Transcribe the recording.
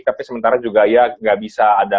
tapi sementara juga ya nggak bisa ada